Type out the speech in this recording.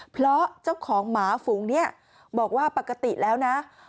เพราะเจ้าของหมาฝูงเนี่ยบอกว่าปกติแล้วนะ